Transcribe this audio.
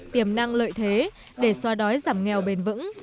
tiềm năng lợi thế để xoa đói giảm nghèo bền vững